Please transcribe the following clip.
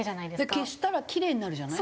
消したらキレイになるじゃない？